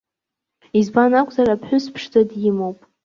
Избан акәзар аԥҳәыс ԥшӡа димоуп.